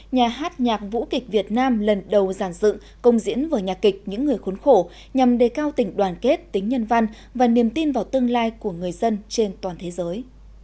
nhà hát nhạc vũ kịch việt nam lần đầu giàn dựng công diễn vở nhạc kịch những người khốn khổ nhằm đề cao tình đoàn kết tính nhân văn và niềm tin vào tương lai của người dân trên toàn thế giới